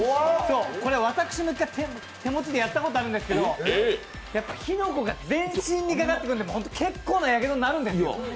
私も１回、手持ちでやったことがあるんですけど、やっぱり火の粉が全身にかかってくるんで結構なやけどになるんです。